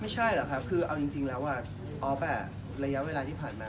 ไม่ใช่หรอกครับคือเอาจริงแล้วออฟระยะเวลาที่ผ่านมา